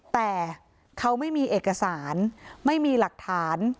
แต่เขาไม่มีเอกสารไม่มีหลักฐาน